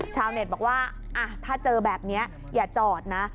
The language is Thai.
ชาวเน็ตบอกว่าถ้าเจอแบบนี้อย่าจอดนะ